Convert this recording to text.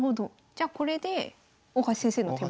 じゃこれで大橋先生の手番。